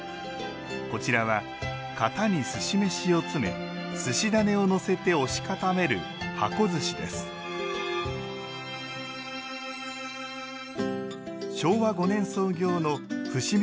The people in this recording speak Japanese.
こちらは型にすし飯を詰めすし種をのせて押し固める昭和５年創業の伏見区の寿司店です。